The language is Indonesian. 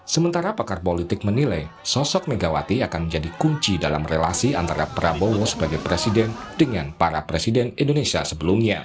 sementara pakar politik menilai sosok megawati akan menjadi kunci dalam relasi antara prabowo sebagai presiden dengan para presiden indonesia sebelumnya